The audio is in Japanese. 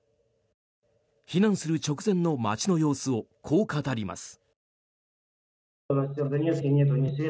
避難する直前の街の様子をこう語ります。